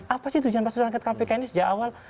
apa sih tujuan pansus angket kpk ini sejak awal